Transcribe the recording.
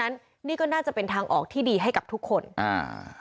ทางคุณชัยธวัดก็บอกว่าการยื่นเรื่องแก้ไขมาตรวจสองเจน